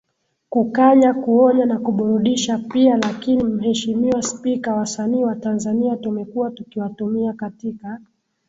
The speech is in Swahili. kukanya kuonya na kuburudisha pia Lakini Mheshimiwa Spika wasanii wa Tanzania tumekuwa tukiwatumia katika